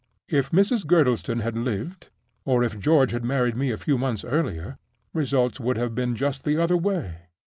If Mrs. Girdlestone had lived, or if George had married me a few months earlier, results would have been just the other way.